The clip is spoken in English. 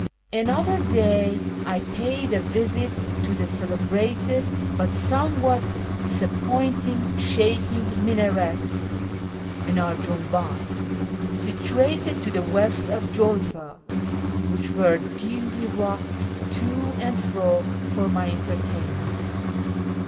Another day I paid a visit to the celebrated, but some what disappointing, "shaking minarets" (mindr4 i junhdn) situated to the west of Julfa, wliicli were duly rocked to and fro for my entertainment.